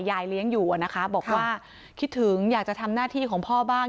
ยายเลี้ยงอยู่นะคะบอกว่าคิดถึงอยากจะทำหน้าที่ของพ่อบ้าง